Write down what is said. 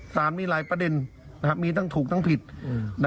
สารมีหลายประเด็นนะครับมีตั้งถูกตั้งผิดอืม